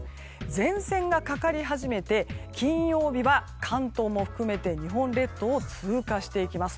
前線がかかり始めて金曜日は関東も含めて日本列島を通過していきます。